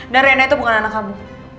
dan reina itu bukan anak kamu